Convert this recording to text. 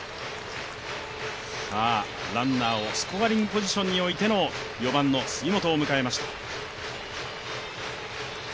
ランナーをスコアリングポジションに置いての４番の杉本を迎えました。